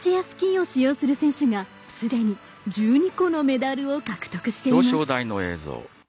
スキーを使用する選手がすでに１２個のメダルを獲得しています。